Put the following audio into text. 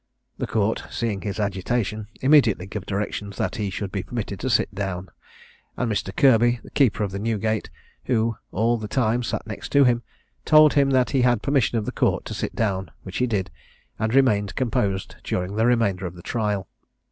The Court, seeing his agitation, immediately gave directions that he should be permitted to sit down; and Mr. Kirby, the keeper of Newgate, (who all the time sat next to him,) told him he had permission of the Court to sit down, which he did, and remained composed during the remainder of the trial.